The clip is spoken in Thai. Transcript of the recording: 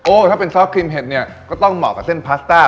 ถ้าเป็นซอสครีมเห็ดเนี่ยก็ต้องเหมาะกับเส้นพาสต้า